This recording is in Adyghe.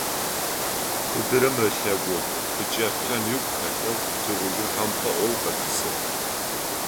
Къыдырым ылъэгу къычӀэплъэн ыгу хэлъэу тыгъужъыр хьампӀэloy къэтӀысыгъ.